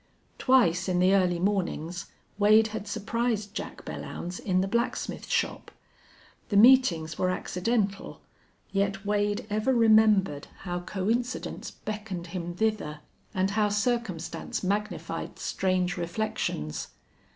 Twice in the early mornings Wade had surprised Jack Belllounds in the blacksmith shop. The meetings were accidental, yet Wade ever remembered how coincidence beckoned him thither and how circumstance magnified strange reflections.